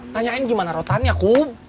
tanyain gimana rotannya kum